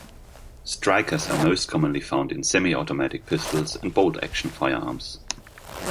Strikers are most commonly found in semi-automatic pistols and bolt-action firearms.